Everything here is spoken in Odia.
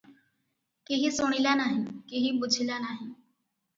କେହି ଶୁଣିଲା ନାହିଁ- କେହି ବୁଝିଲା ନାହିଁ